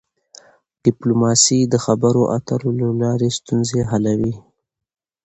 ډيپلوماسي د خبرو اترو له لارې ستونزې حلوي.